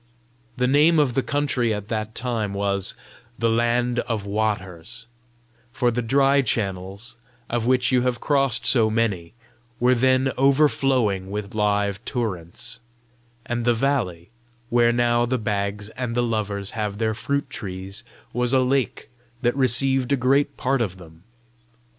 The name of the country at that time was THE LAND OF WATERS; for the dry channels, of which you have crossed so many, were then overflowing with live torrents; and the valley, where now the Bags and the Lovers have their fruit trees, was a lake that received a great part of them.